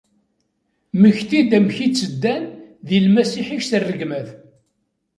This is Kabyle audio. Mmekti-d amek i tt-ddan di lmasiḥ-ik s rregmat!